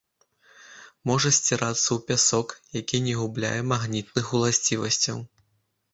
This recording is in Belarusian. Можа сцірацца ў пясок, які не губляе магнітных уласцівасцяў.